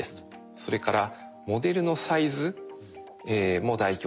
それから「モデルのサイズも大規模です」と。